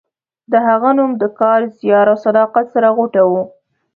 د هغه نوم له کار، زیار او صداقت سره غوټه و.